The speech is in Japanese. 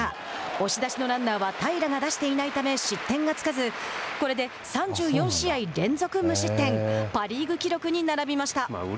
押し出しのランナーは平良が出していないため失点がつかずこれで３４試合連続無失点。